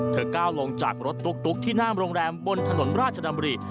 ก้าวลงจากรถตุ๊กที่หน้าโรงแรมบนถนนราชดำริ